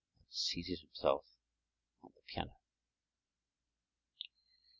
—and seated himself at the piano.